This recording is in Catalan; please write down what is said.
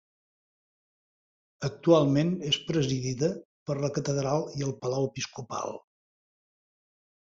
Actualment és presidida per la catedral i el Palau Episcopal.